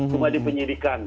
cuma di penyidikan